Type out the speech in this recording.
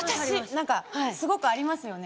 何かすごくありますよね